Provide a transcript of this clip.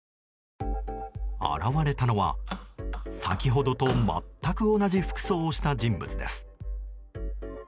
現れたのは、先ほどと全く同じ服装をした人物です。